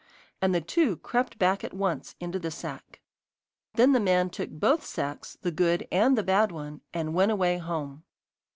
And the two crept back at once into the sack. Then the man took both sacks, the good and the bad one, and went away home.